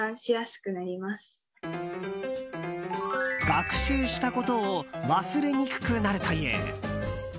学習したことを忘れにくくなるという。